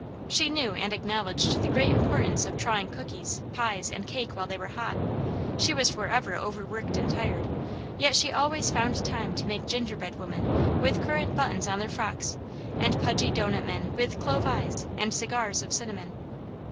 She knew and acknowledged the great importance of trying cookies, pies, and cake while they were hot. She was forever overworked and tired, yet she always found time to make gingerbread women with currant buttons on their frocks, and pudgy doughnut men with clove eyes and cigars of cinnamon.